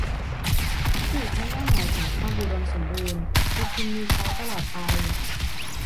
อีกทั้งยังหมายถึงความอุดมสมบูรณ์ มีกินมีใช้ตลอดไป